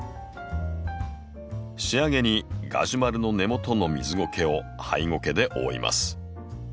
仕上げにガジュマルの根元の水ゴケをハイゴケで覆います。